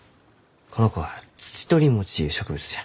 この子はツチトリモチゆう植物じゃ。